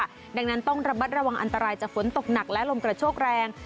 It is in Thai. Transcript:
ดังนั้นต้องระมัดระวังอันตรายจากฝนตกหนักและลมกระโชกแรง